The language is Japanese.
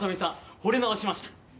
惚れ直しました。